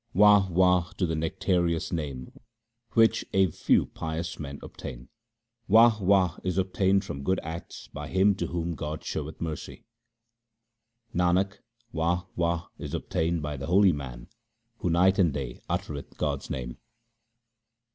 Wah ! Wah ! to the nectareous Name which a few pious men obtain. Wah ! Wah ! is obtained from good acts by him to whom God showeth mercy. Nanak, Wah ! Wah ! is obtained by the holy man who night and day uttereth God's name.